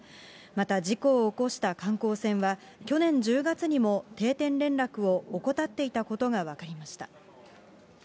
また、事故を起こした観光船は、去年１０月にも定点連絡を怠っていたことが分かりました。